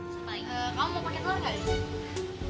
kamu mau pakai telur gak